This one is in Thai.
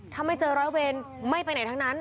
ถ้าไม่เจอร้อยเวรไม่ไปไหนทั้งนั้น